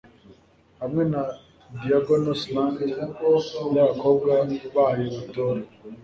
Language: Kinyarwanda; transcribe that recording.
hamwe na diagonal slant yabakobwa bayo batora